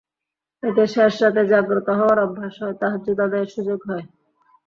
এতে শেষ রাতে জাগ্রত হওয়ার অভ্যাস হয়, তাহাজ্জুদ আদায়ের সুযোগ হয়।